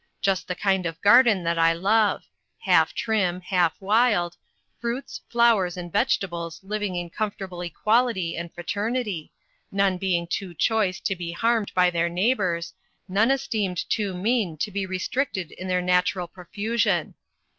Just the kind of garden that I love half trim, half wild fruits, flowers, and vegetables living in comfortable equality and fraternity, none being too choice to be harmed by their neighbours, none esteemed too mean to be restricted in their natural profusion.